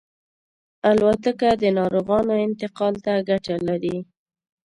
الوتکه د ناروغانو انتقال ته ګټه لري.